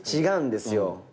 違うんですよ。